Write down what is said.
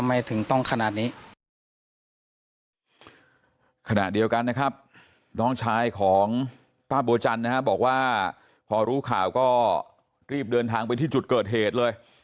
มาเดียวกันนะครับน้องชายของป้าบัวจันทร์นะบอกว่าพอรู้ข่าวก็รีบเดินทางไปที่จุดเกิดเหตุเลย